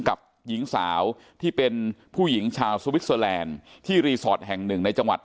กับหญิงสาวที่เป็นผู้หญิงชาวที่รีสอร์ทแห่งหนึ่งในจังหวัด